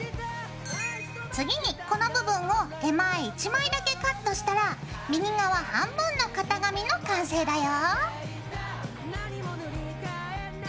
次にこの部分を手前１枚だけカットしたら右側半分の型紙の完成だよ。